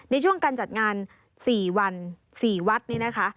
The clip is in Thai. ในช่วงการจัดงาน๔วัน๔วัดนี้นะคะ